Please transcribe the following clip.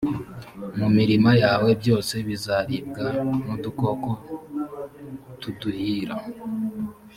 mu mirima yawe byose bizaribwa n udukoko tuduhira